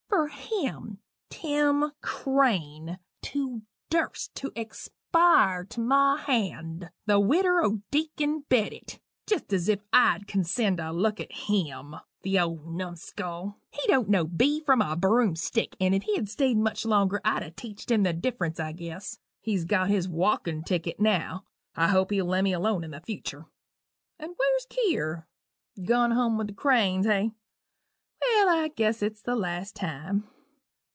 for him Tim Crane to durst to expire to my hand the widder o' Deacon Bedott, jest as if I'd condescen' to look at him the old numbskull! He don't know B from a broomstick; but if he'd a stayed much longer I'd a teached him the difference, I guess. He's got his walkin' ticket now I hope he'll lemme alone in futur. And where's Kier? Gun hum with the Cranes, hey! Well, I guess it's the last time.